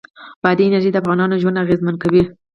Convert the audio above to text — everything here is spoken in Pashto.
بادي انرژي د افغانانو ژوند اغېزمن کوي.